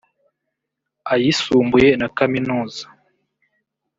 ayisumbuye na kaminuza